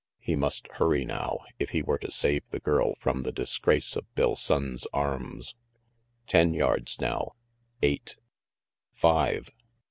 He must hurry now, if he were to save the girl from the dis grace of Bill Sonnes' arms. Ten yards now, eight, five.